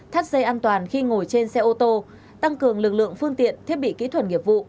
thắt dây an toàn khi ngồi trên xe ô tô tăng cường lực lượng phương tiện thiết bị kỹ thuật nghiệp vụ